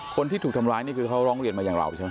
คนที่ถูกทำร้ายนี่คือเขาร้องเรียนมาอย่างเราใช่ไหม